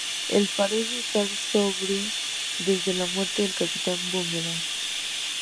Él parece estar sobrio desde la muerte del Capitán Bumerang.